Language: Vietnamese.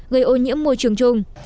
gây ô nhiễm môi trường chung